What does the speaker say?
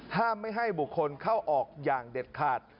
ห้ามไม่ให้บุคคลเข้าออกอย่างเด็ดขาด